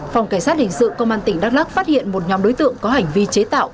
phòng cảnh sát hình sự công an tỉnh đắk lắc phát hiện một nhóm đối tượng có hành vi chế tạo